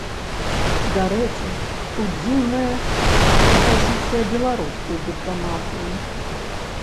Дарэчы, тут дзіўная і пазіцыя беларускай дыпламатыі.